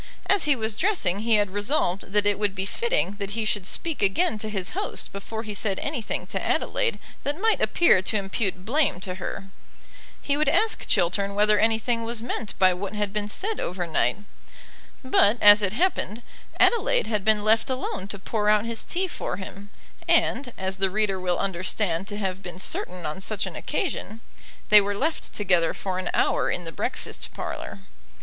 As he was dressing he had resolved that it would be fitting that he should speak again to his host before he said anything to Adelaide that might appear to impute blame to her. He would ask Chiltern whether anything was meant by what had been said over night. But, as it happened, Adelaide had been left alone to pour out his tea for him, and, as the reader will understand to have been certain on such an occasion, they were left together for an hour in the breakfast parlour.